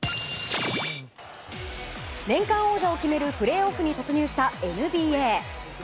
年間王者を決めるプレーオフに突入したＮＢＡ。